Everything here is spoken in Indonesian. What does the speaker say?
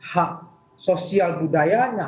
hak sosial budayanya